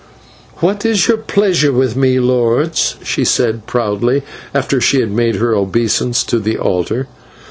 "What is your pleasure with me, lords?" she said proudly, after she had made her obeisance to the altar.